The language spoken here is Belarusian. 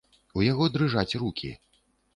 У яго дрыжаць рукі.